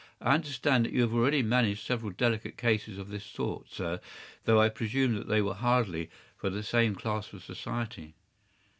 I understand that you have already managed several delicate cases of this sort, sir, though I presume that they were hardly from the same class of society.